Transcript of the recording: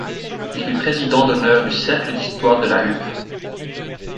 Il fut Président d'honneur du Cercle d'Histoire de La Hulpe.